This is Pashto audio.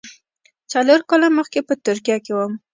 څلور کاله مخکې چې ترکیه کې وم.